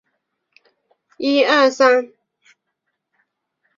这些标志能够被带入随后的分支及算术指令中。